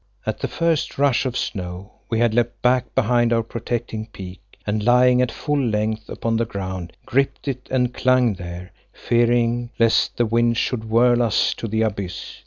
At the first rush of snow we had leapt back behind our protecting peak and, lying at full length upon the ground, gripped it and clung there, fearing lest the wind should whirl us to the abyss.